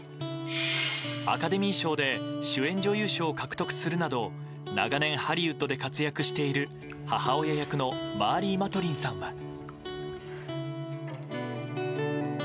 アカデミー賞で主演女優賞を獲得するなど長年ハリウッドで活躍している母親役のマーリー・マトリンさんは。